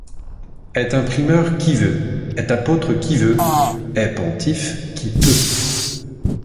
Est imprimeur qui veut, est apôtre qui veut, est pontife qui peut.